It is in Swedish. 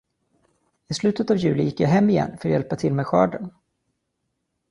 I slutet av juli gick jag hem igen för att hjälpa till med skörden.